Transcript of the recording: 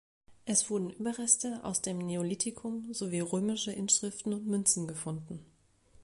Es wurden Überreste aus dem Neolithikum sowie römische Inschriften und Münzen gefunden.